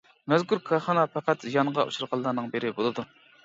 مەزكۇر كارخانا پەقەت زىيانغا ئۇچرىغانلارنىڭ بىرى بولىدۇ.